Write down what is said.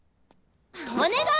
お願い！